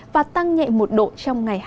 và tăng nhẹ một độ trong ngày hai mươi